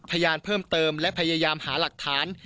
พยานเพิ่มเติมและพยายามหาหลักฐาน